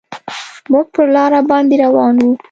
موږ پر لاره باندې روان وو.